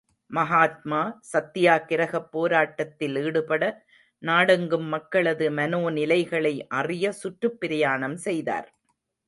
மகாத்மா, சத்தியாக்கிரகப் போராட்டத்தில் ஈடுபட, நாடெங்கும் மக்களது மனோநிலைகளை அறிய சுற்றுப் பிரயாணம் செய்தார்.